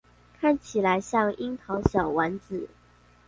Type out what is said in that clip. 看起來像櫻桃小丸子